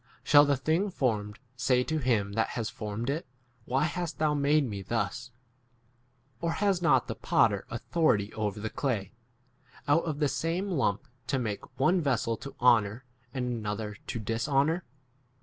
Shall the thing formed say to him that has formed it, Why hast thou 21 made me thus ? Or has not the potter authority over the clay, out of the same lump to make one vessel to honour, and another to 22 dishonour